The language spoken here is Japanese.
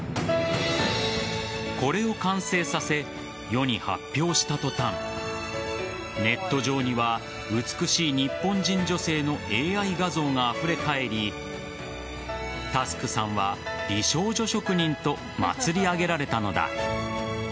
これを完成させ世に発表した途端ネット上には美しい日本人女性のＡＩ画像があふれかえりタスクさんは美少女職人と祭り上げられたのだ。